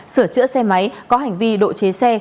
sửa chữa xe máy có hành vi độ chế xe